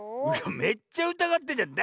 めっちゃうたがってんじゃん。